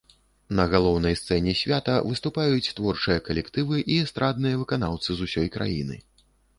На галоўнай сцэне свята выступаюць творчыя калектывы і эстрадныя выканаўцы з усёй краіны.